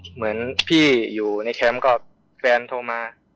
เหมือนพี่อยู่ในแคมป์ก็แฟนโทรมา